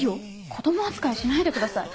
子供扱いしないでください。